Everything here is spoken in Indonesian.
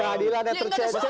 keadilan yang tercecer